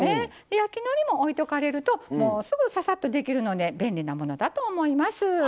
焼きのりも置いとかれるとすぐささっとできるので便利なものだと思います。